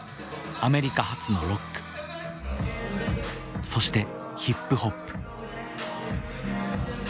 アメリカ発のロックそしてヒップホップ。